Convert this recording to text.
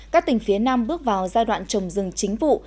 các tỉnh phía nam bước vào giai đoạn trồng rừng chính vụ